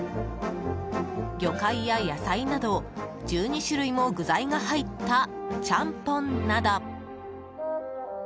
魚介や野菜など、１２種類も具材が入ったちゃんぽんなど。